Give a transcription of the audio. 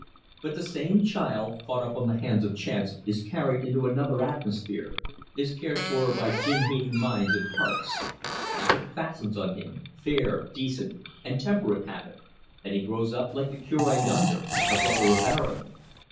But the same child caught up on the hands of chance is carried into another atmosphere, is cared for by ginhating minds and hearts: habit fastens on him fair, decent, and temperate habit and he grows up like the Cure yonder, a brother of Aaron.